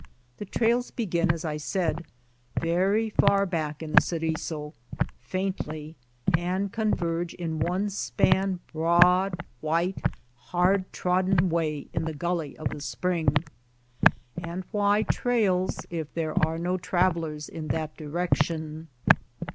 The trails begin, as I said, very far back in the Ceriso, faintly, and converge in one span broad, white, hard trodden way in the gully of the spring. And why trails if there are no travelers in that direction